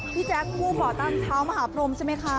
พี่แจ๊คมูห่วงผ่อนตะงเท้ามหาพรมใช่ไหมคะ